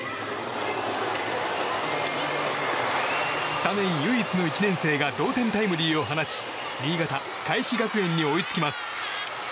スタメン唯一の１年生が同点タイムリーを放ち新潟・開志学園に追いつきます。